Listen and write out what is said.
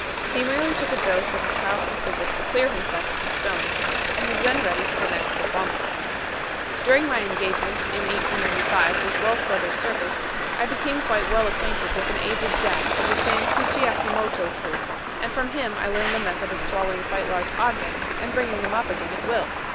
He merely took a dose of powerful physic to clear himself of the stones, and was then ready for the next performance. During my engagement in 1895 with Welsh Bros. Circus I became quite well acquainted with an aged Jap of the San Kitchy Akimoto troupe and from him I learned the method of swallowing quite large objects and bringing them up again at will.